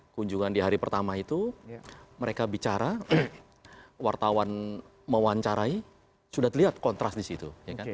kunjungan di hari pertama itu mereka bicara wartawan mewawancarai sudah terlihat kontras di situ